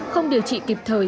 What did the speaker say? không điều trị kịp thời